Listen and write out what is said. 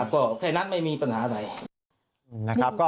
ก็แค่นั้นไม่มีปัญหาอะไร